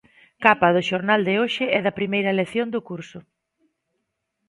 Capa do xornal de hoxe e da primeira lección do curso.